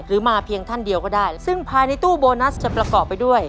มาเพียงท่านเดียวก็ได้ซึ่งภายในตู้โบนัสจะประกอบไปด้วย